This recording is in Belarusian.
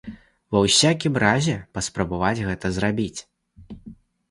Ва ўсякім разе паспрабаваць гэта зрабіць.